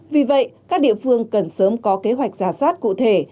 vì vậy các địa phương cần sớm có kế hoạch giả soát cụ thể